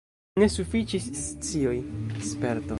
Ne sufiĉis scioj, sperto.